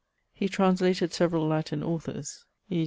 He translated severall Latin authors, e.